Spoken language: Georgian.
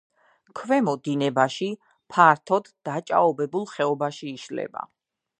ქვემო დინებაში ფართოდ დაჭაობებულ ხეობაში იშლება.